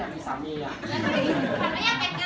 ก็นั่นแล้วแหละ